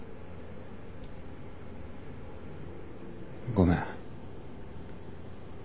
ごめん。